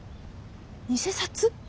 偽札？